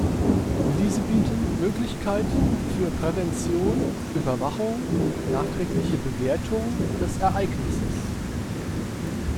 Diese bieten Möglichkeiten für Prävention, Überwachung und nachträgliche Bewertung des Ereignisses.